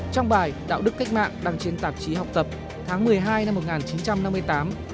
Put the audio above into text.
trong bài đạo đức cách mạng đăng trên tạp chí học tập tháng một mươi hai năm một nghìn chín trăm năm mươi tám